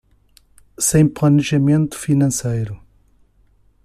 Sem planejamento financeiro